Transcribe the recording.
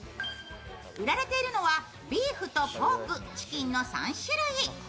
売られているのはビーフとポーク、チキンの３種類。